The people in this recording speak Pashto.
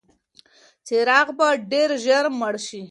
څراغ به ډېر ژر مړ شي.